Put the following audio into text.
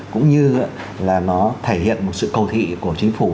cũng như là nó thể hiện một sự cầu thị của chính phủ